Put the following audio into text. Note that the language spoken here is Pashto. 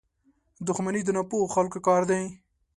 • دښمني د ناپوهو خلکو کار دی.